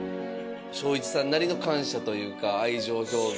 正一さんなりの感謝というか愛情表現。